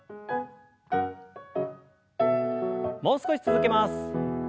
もう少し続けます。